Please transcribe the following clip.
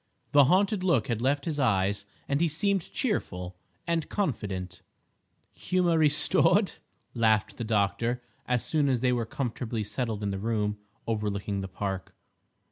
The haunted look had left his eyes, and he seemed cheerful and confident. "Humour restored?" laughed the doctor, as soon as they were comfortably settled in the room overlooking the Park.